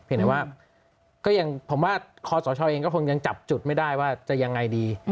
ว่าก็ยังผมว่าคอสชเองก็คงยังจับจุดไม่ได้ว่าจะยังไงดี